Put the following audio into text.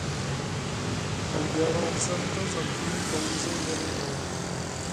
Udělal jsem to zatím pouze jednou.